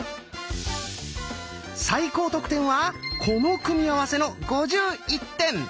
最高得点はこの組み合わせの５１点。